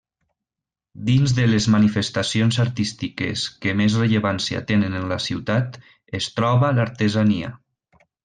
Dins de les manifestacions artístiques que més rellevància tenen en la ciutat, es troba l'artesania.